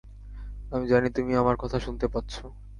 আমি জানি, তুমি আমার কথা শুনতে পাচ্ছ।